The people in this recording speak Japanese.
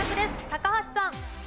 高橋さん。